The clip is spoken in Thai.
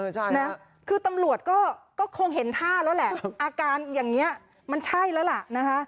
ใช่นะคือตำรวจก็คงเห็นท่าแล้วแหละอาการอย่างนี้มันใช่แล้วล่ะนะคะ